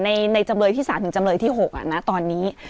ในจำเลยที่๓๖ตอนนี้